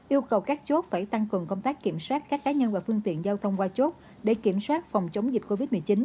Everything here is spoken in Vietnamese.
yêu cầu các chốt phải tăng cường công tác kiểm soát các cá nhân và phương tiện giao thông qua chốt để kiểm soát phòng chống dịch covid một mươi chín